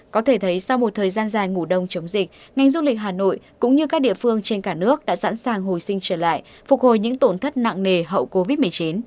có thể thấy sau một thời gian dài ngủ đông chống dịch ngành du lịch hà nội cũng như các địa phương trên cả nước đã sẵn sàng hồi sinh trở lại phục hồi những tổn thất nặng nề hậu covid một mươi chín